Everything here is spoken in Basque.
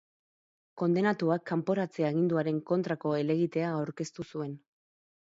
Kondenatuak kanporatze aginduaren kontrako helegitea aurkeztu zuen.